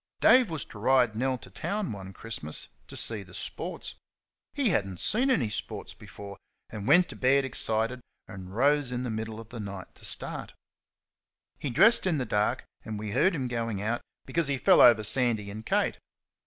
Dave was to ride Nell to town one Christmas to see the sports. He had n't seen any sports before, and went to bed excited and rose in the middle of the night to start. He dressed in the dark, and we heard him going out, because he fell over Sandy and Kate.